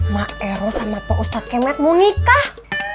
ma ero sama pak ustadz kemet mau nikah